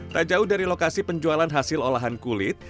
tak jauh dari lokasi penjualan hasil olahan kulit